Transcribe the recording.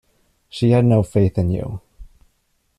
She had no faith in you.